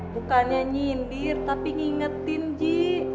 bukannya nyindir tapi ngingetin ji